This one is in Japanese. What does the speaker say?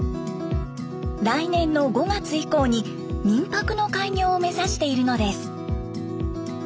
来年の５月以降に民泊の開業を目指しているのです。